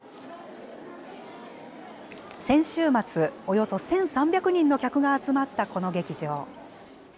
先週末、およそ１３００人の客が集まったこの劇場。